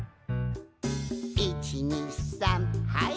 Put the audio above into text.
「１２３はい」